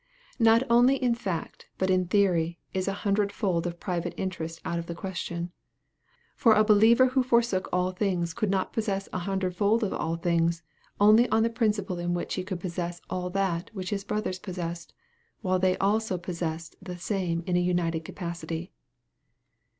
Not only in fact, but in theory, is an hundredfold of private interest out of the question. For a believer who forsook all things could not possess an hundredfold of all things only on the principle in which he could possess all that which his brethren possessed, while they also possessed the same in an united capacity.